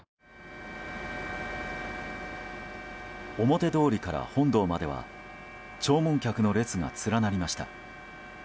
表通りから本堂までは弔問客の列が連なりました。